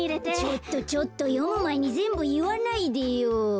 ちょっとちょっとよむまえにぜんぶいわないでよ。